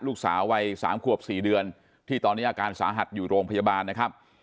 ลูกสาววัย๓ขวบ๔เดือนที่ตอนนี้อาการสาหัสอยู่โรงพยาบาลนะครับ